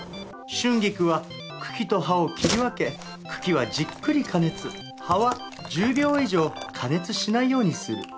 春菊は茎と葉を切り分け茎はじっくり加熱葉は１０秒以上加熱しないようにする。